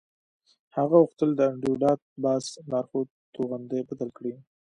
هغه غوښتل د انډریو ډاټ باس لارښود توغندی بدل کړي